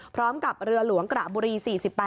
พร้อมกับเรือหลวงกระบุรี๔๘